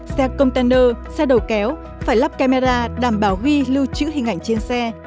xe container xe đầu kéo phải lắp camera đảm bảo ghi lưu trữ hình ảnh trên xe